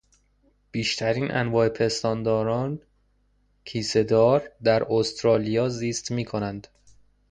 بیشترین انواع پستانداران کیسه دار در استرالیا زیست میکنند.